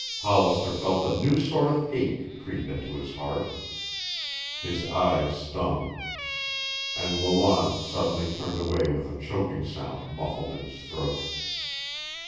Hollister felt a new sort of ache creep into his heart. His eyes stung. And Lawanne suddenly turned away with a choking sound muffled in his throat.